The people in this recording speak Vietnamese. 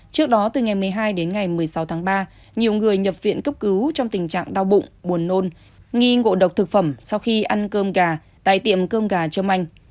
trước đó từ ngày một mươi hai đến ngày một mươi sáu tháng ba nhiều người nhập viện cấp cứu trong tình trạng đau bụng buồn nôn nghi ngộ độc thực phẩm sau khi ăn cơm gà tại tiệm cơm gà trơm anh